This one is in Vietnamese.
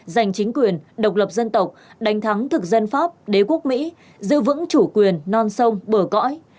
giành chính quyền độc lập dân tộc đánh thắng thực dân pháp đế quốc mỹ giữ vững chủ quyền non sông bờ cõi